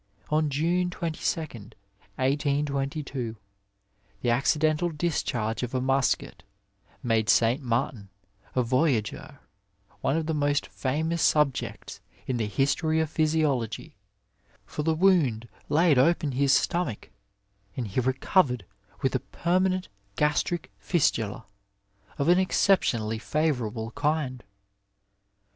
On June 22, 1822, the accidental discharge of a musket miade St. Martin, a voyageufy one of the most famous subjects in the history of physiology, for the wound laid open his stomach, and he recovered with a permanent gastric fistula of an exceptionally favourable kind.